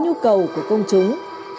như cầu của công chúng